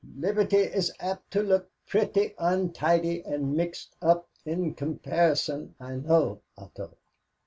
Liberty is apt to look pretty untidy and mixed up in comparison, I know, Otto.